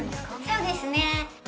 そうですね。